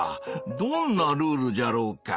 どんなルールじゃろうか？